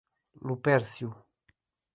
Lupércio